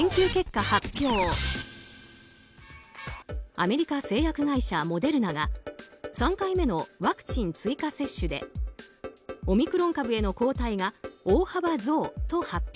アメリカ製薬会社モデルナが３回目のワクチン追加接種でオミクロン株への抗体が大幅増と発表。